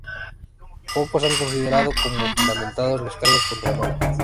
Pocos han considerado como fundamentados los cargos contra Nour.